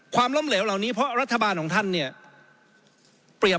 ความล่มเหลวเหล่านี้เพราะรัฐบาลที่ของท่านเนี่ย